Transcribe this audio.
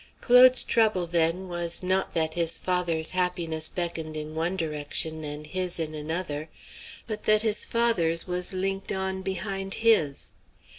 Claude's trouble, then, was not that his father's happiness beckoned in one direction and his in another; but that his father's was linked on behind his.